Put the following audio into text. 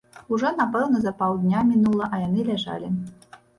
Ужо напэўна за паўдня мінула, а яны ляжалі.